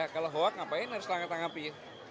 kalau hoak ngapain harus tanggap tanggapi